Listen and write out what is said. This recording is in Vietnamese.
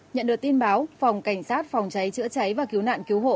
nhận được tin báo phòng cảnh sát phòng cháy chữa cháy và cứu nạn cứu hộ